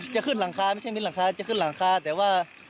จะขึ้นหลังคาไม่ใช่มิดหลังคาจะขึ้นหลังคาแต่ว่า